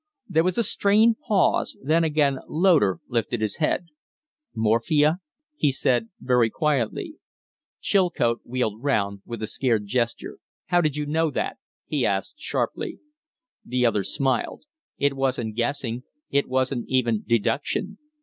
There was a strained pause, then again Loder lifted his head. "Morphia?" he said, very quietly. Chilcote wheeled round with a scared gesture. "How did you know that?" he asked, sharply. The other smiled. "It wasn't guessing it wasn't even deduction.